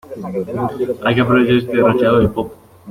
hay que aprovechar este racheado de popa.